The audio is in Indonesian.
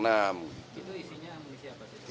itu isinya amunisi apa sih